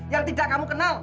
yang tidak kamu kenal